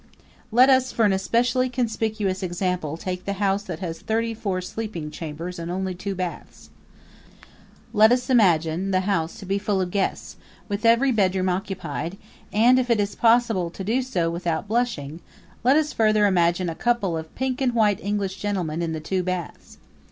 Let us, for an especially conspicuous example, take the house that has thirty four sleeping chambers and only two baths. Let us imagine the house to be full of guests, with every bedroom occupied; and, if it is possible to do so without blushing, let us further imagine a couple of pink and white English gentlemen in the two baths.